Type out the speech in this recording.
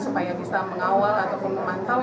supaya bisa mengawal ataupun memantau